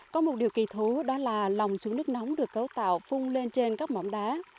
có một điều kỳ thú đó là lòng súng nước nóng được cấu tạo phung lên trên các mỏm đá